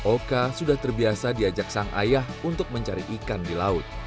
oka sudah terbiasa diajak sang ayah untuk mencari ikan di laut